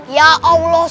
ya allah sun